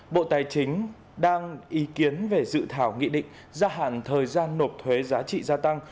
bộ tài chính đang ý kiến về dự thảo nghị định gia hạn thời gian nộp thuế giá trị gia tăng